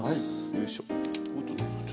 よいしょ。